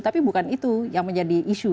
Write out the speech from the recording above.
tapi bukan itu yang menjadi isu